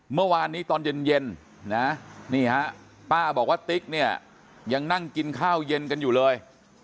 เมื่อวานนี้ตอนเย็นป้าบอกว่าติ๊กยังนั่งกินข้าวเย็นกันอยู่เลย